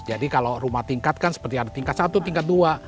jadi kalau rumah tingkat kan seperti ada tingkat satu tingkat dua